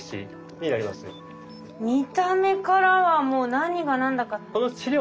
見た目からはもう何が何だか。